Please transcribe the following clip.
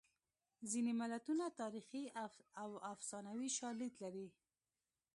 ځینې متلونه تاریخي او افسانوي شالید لري